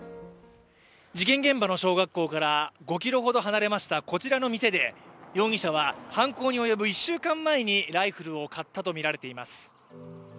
事件現場の小学校から５キロほど離れましたこちらのお店で、容疑者は犯行に及ぶ１週間前にライフルを買ったとみられています